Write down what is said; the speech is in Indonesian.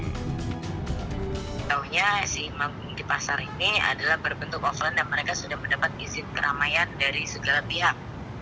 tahunya si manggung di pasar ini adalah berbentuk offline dan mereka sudah mendapat izin keramaian dari segala pihak